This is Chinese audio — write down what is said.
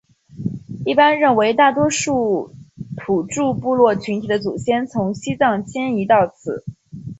一般认为大多数土着部落群体的祖先从西藏迁移到此。